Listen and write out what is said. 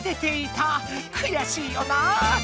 くやしいよな！